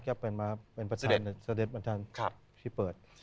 ก็เป็นมาเป็นประธานเสด็จประธานที่เปิด